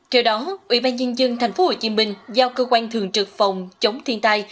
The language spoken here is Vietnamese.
kiểu đó ủy ban nhân dân thành phố hồ chí minh giao cơ quan thường trực phòng chống thiên tai